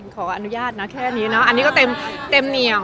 ขออนุญาตนะแค่นี้เนาะอันนี้ก็เต็มเหนียว